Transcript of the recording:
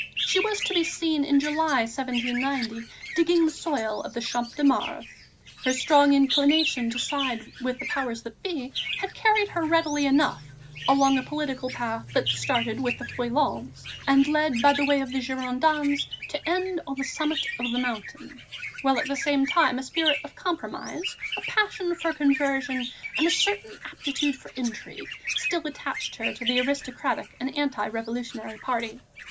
She was to be seen, in July, 1790, digging the soil of the Champ de Mars. Her strong inclination to side with the powers that be had carried her readily enough along a political path that started with the Feuillants and led by way of the Girondins to end on the summit of the Mountain, while at the same time a spirit of compromise, a passion for conversion and a certain aptitude for intrigue still attached her to the aristocratic and anti revolutionary party.